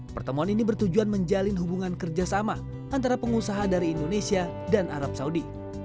pertemuan ini bertujuan menjalin hubungan kerjasama antara pengusaha dari indonesia dan arab saudi